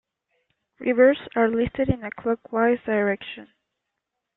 Rivers are listed in a clockwise direction.